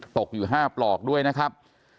ตกอยู่๕ปลอกด้วยนะครับ